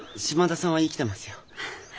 島田さんは生きてますよ。